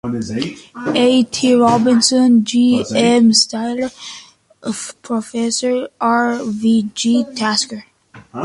A. T. Robinson, G. M. Styler, Professor R. V. G. Tasker.